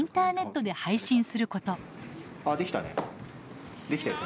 あできたね。